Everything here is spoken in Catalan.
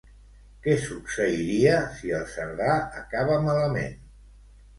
Què succeiria si el Cerdà acaba malament?